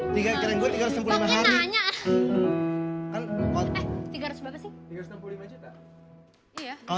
tiga keren gue tiga sempurna hanya tiga ratus